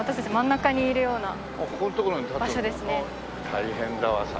大変だわさ。